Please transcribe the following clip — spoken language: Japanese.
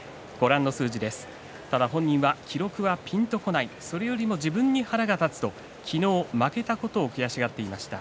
ただ本人は記録にピンとこないそれよりも自分に腹が立つと昨日、負けたことを悔しがっていました。